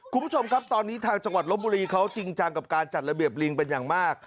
คุณผู้ชมครับตอนนี้ทางจังหวัดลบบุรีเขาจริงจังกับการจัดระเบียบลิงเป็นอย่างมาก